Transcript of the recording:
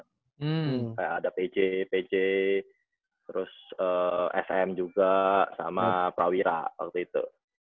kayak ada pj pj terus sm juga sama prawira waktu itu